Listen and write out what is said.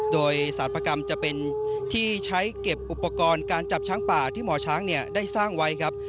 โดยสารประกรรมจะเป็นที่ใช้เก็บอุปกรณ์การจับช้างป่าที่หมอช้างได้สร้างไว้ครับ